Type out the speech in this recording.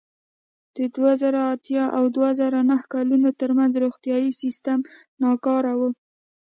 د دوه زره اته او دوه زره نهه کلونو ترمنځ روغتیايي سیستم ناکار و.